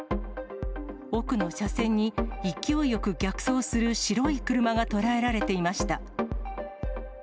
奥の車線に勢いよく逆走する白い車が捉えられていました。